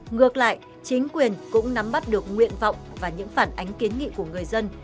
ngược lại chính quyền cũng nắm bắt được nguyện vọng và những phản ánh kiến nghị của người dân